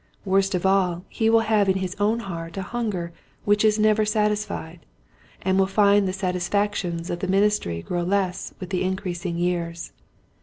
Worst of all he will have in his own heart a hunger which is never satisfied, and will find the satis factions of the ministry grow less with the increasing years.